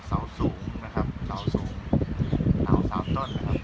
สาวสูงนะครับสาวสูงหนาวสามต้นนะครับ